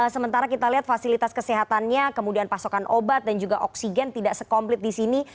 sementara kita lihat fasilitas kesehatannya kemudian pasokan obat dan juga oksigen tidak sekomplit di sini